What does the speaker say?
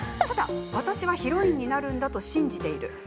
ただ「私はヒロインになるんだ」と信じている。